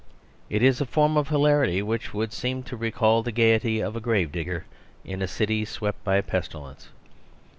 It is a form of hilarity which would seem to recall the gaiety of a grave digger in a city swept by a pestilence.